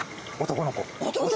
男の子！